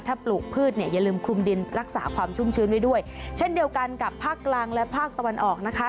ถ้าปลูกพืชเนี่ยอย่าลืมคลุมดินรักษาความชุ่มชื้นไว้ด้วยเช่นเดียวกันกับภาคกลางและภาคตะวันออกนะคะ